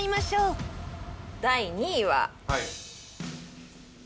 第２位は。